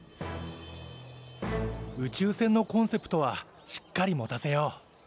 宇宙船のコンセプトはしっかり持たせよう。